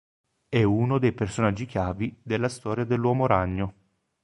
È uno dei personaggi chiave della storia dell'Uomo Ragno.